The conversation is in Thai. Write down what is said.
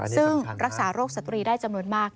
ซึ่งรักษาโรคสตรีได้จำนวนมาก